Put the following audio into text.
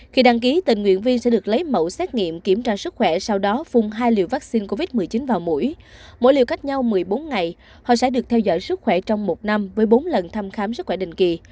khi đăng ký tình nguyện viên sẽ được lấy mẫu xét nghiệm kiểm tra sức khỏe sau đó phun hai liều vaccine covid một mươi chín vào mũi mỗi liều cách nhau một mươi bốn ngày họ sẽ được theo dõi sức khỏe trong một năm với bốn lần thăm khám sức khỏe định kỳ